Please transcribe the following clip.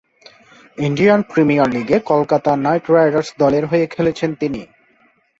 Indian Premier লীগে Kolkata Knight Riders দলের হয়ে খেলছেন তিনি।